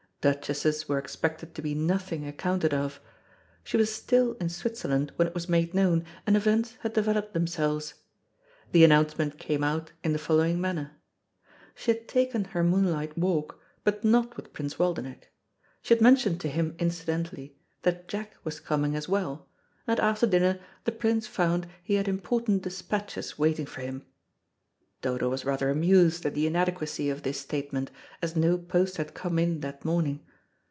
Duchesses were expected to be nothing accounted of. She was still in Switzerland when it was made known, and events had developed themselves. The announcement came out in the following manner. She had taken her moonlight walk, but not with Prince Waldenech. She had mentioned to him incidentally that Jack was coming as well, and after dinner the Prince found he had important despatches waiting for him. Dodo was rather amused at the inadequacy of this statement, as no post had come in that morning.